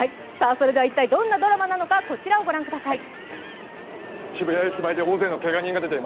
一体どんなドラマなのか、こちらをご覧ください。